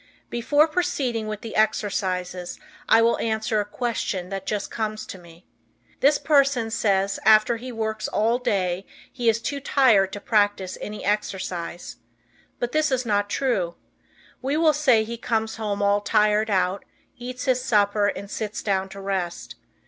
Before proceeding with the exercises I will answer a question that just comes to me. This person says after he works all day he is too tired to practice any exercise. But this is not true. We will say he comes home all tired out, eats his supper and sits down to rest.